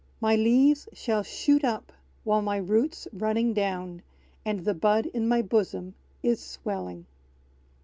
My leaves shall shoot up, while my root's running down, And the bud in my bosom is swelling.